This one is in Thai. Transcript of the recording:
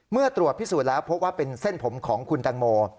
เมื่อตรวจพิสูจน์แล้วพบว่าเป็นเส้นผมของคุณแตงโม